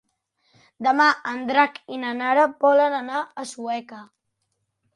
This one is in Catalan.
Demà en Drac i na Nara volen anar a Sueca.